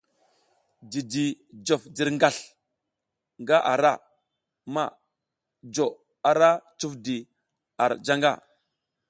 Jiji jof jirgasl nga ara ma jo ara cuf di ar janga.